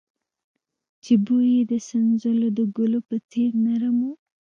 چې بوى يې د سنځلو د ګلو په څېر نرم و.